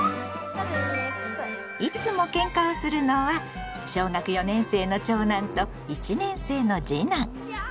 いつもケンカをするのは小学４年生の長男と１年生の次男。